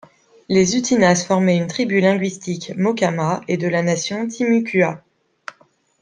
Les Utinas formaient une tribu linguistique Mocama et de la Nation Timucua.